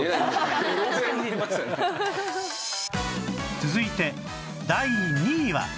続いて第２位は